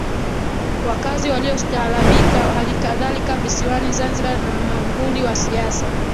Wakazi waliostaalabika halikadhalika visiwani Zanzibar na manguli wa siasa